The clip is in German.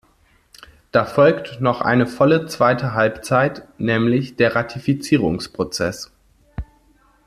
Da folgt noch eine volle zweite Halbzeit, nämlich der Ratifizierungsprozess.